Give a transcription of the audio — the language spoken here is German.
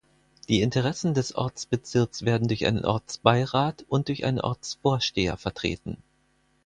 Die Interessen des Ortsbezirks werden durch einen Ortsbeirat und durch einen Ortsvorsteher vertreten.